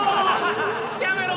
やめろ！